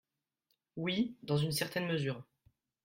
Oui, dans une certaine mesure.